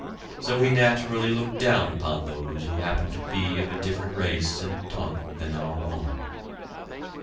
So we naturally look down upon those who happen to be of a different race and tongue than our own.